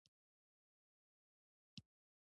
د اروپا په ځینو برخو کې د ترسره شوې سروې